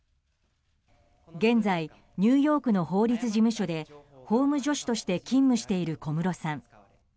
現在、ニューヨークの法律事務所で法務助手として勤務している小室さん。